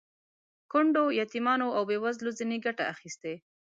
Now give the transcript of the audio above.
کونډو، یتیمانو او بې وزلو ځنې ګټه اخیستې.